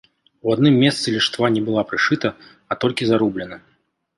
У адным месцы ліштва не была прышыта, а толькі зарублена.